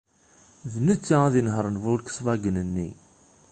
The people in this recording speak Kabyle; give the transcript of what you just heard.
D netta ad inehṛen Volkswagen-nni.